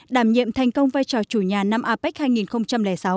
đảm nhiệm thành công vai trò chủ nhà năm apec hai nghìn sáu